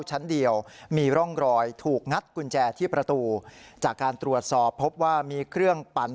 ชั้นเดียวมีร่องรอยถูกงัดกุญแจที่ประตูจากการตรวจสอบพบว่ามีเครื่องปั่น